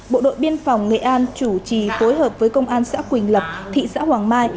bộ đội biên phòng nghệ an chủ trì phối hợp với công an xã quỳnh lập thị xã hoàng mai